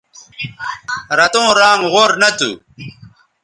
رتوں رانگ غور نہ تھو